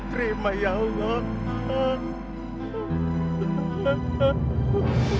terima ya allah